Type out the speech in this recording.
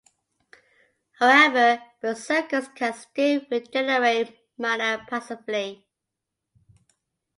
However, berserkers can still regenerate mana passively.